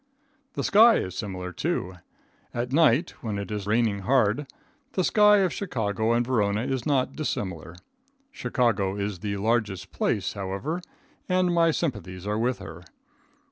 The sky is similar, too. At night, when it is raining hard, the sky of Chicago and Verona is not dissimilar. Chicago is the largest place, however, and my sympathies are with her.